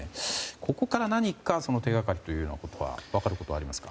ここから何か手掛かりというものは分かるところはありますか。